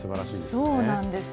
そうなんです。